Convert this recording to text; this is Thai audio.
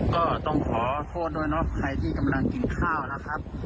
ก็ต้องขอโทษด้วยเนาะใครที่กำลังกินข้าวนะครับ